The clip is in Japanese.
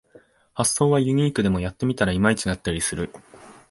発想はユニークでもやってみたらいまいちだったりする